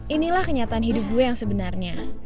ini adalah perjalanan hidup gue yang sebenarnya